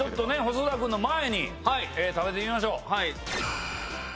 細田君の前に食べてみましょう。